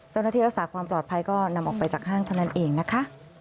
เจ้าหน้าที่รักษาความปลอดภัยก็นำออกไปจากห้างเท่านั้นเองนะคะ